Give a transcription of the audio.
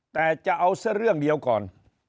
แต่จะเอาซะเรื่องเดียวก่อน